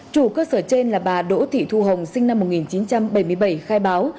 chủ cơ sở trên là bà đỗ thị thu hồng sinh năm một nghìn chín trăm bảy mươi bảy khai báo